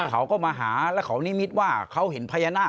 เขาก็มาหาแล้วเขานิมิตว่าเขาเห็นพญานาค